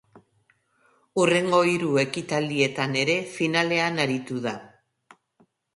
Hurrengo hiru ekitaldietan ere finalean aritu da.